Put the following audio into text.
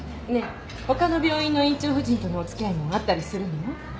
ねえほかの病院の院長夫人とのお付き合いもあったりするの？